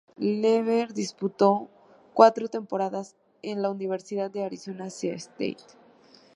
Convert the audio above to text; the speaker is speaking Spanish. Lever disputó cuatro temporadas en la Universidad de Arizona State.